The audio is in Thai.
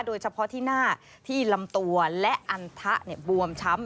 โดยเฉพาะที่หน้าที่ลำตัวและอันทะบวมช้ำ